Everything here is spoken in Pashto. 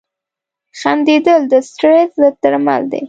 • خندېدل د سټرېس ضد درمل دي.